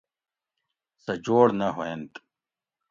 سہ جوڑ نہ ہوینت